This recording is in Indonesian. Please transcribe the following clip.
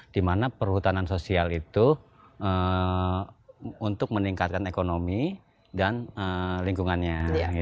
dimana perhutanan sosial itu untuk meningkatkan ekonomi dan lingkungannya